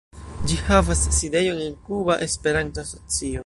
Ĝi havas sidejon en Kuba Esperanto-Asocio.